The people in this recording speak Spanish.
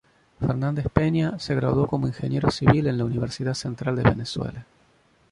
Fernández Peña se graduó como ingeniero civil en la Universidad Central de Venezuela.